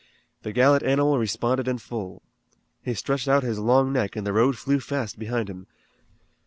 The gallant animal responded in full. He stretched out his long neck and the road flew fast behind him.